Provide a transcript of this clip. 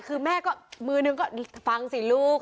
คือแม่ก็มือนึงก็ฟังสิลูก